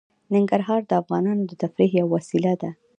ننګرهار د افغانانو د تفریح یوه وسیله ده.